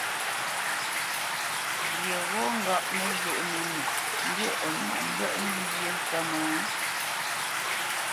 Ghyê ghɔ́ ŋgáʼ məzónə́nə mbî o nâʼ mbə́ʼnə̄ wyê ntsə́mə́?